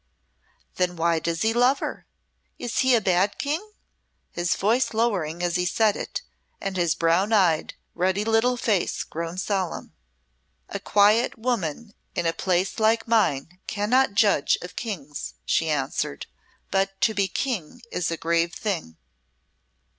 "Then why does he love her? Is he a bad King?" his voice lowering as he said it and his brown eyed, ruddy little face grown solemn. "A quiet woman in a place like mine cannot judge of Kings," she answered; "but to be King is a grave thing."